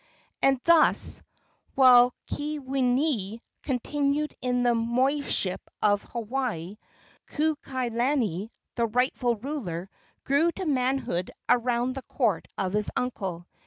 And thus, while Keawenui continued in the moiship of Hawaii, Kukailani, the rightful ruler, grew to manhood around the court of his uncle.